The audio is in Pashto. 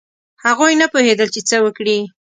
هغوی نه پوهېدل چې څه وکړي.